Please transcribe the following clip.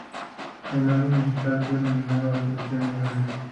El álbum "Music" fue nominado a tres premios Grammy.